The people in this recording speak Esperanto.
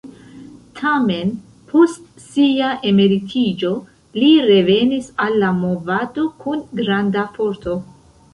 Tamen, post sia emeritiĝo li revenis al la movado kun granda forto.